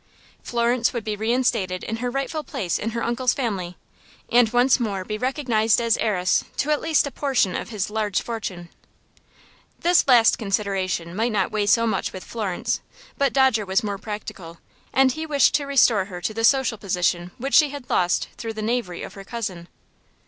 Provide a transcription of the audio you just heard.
Florence would be reinstated in her rightful place in her uncle's family, and once more be recognized as heiress to at least a portion of his large fortune. This last consideration might not weigh so much with Florence, but Dodger was more practical, and he wished to restore her to the social position which she had lost through the knavery of her cousin.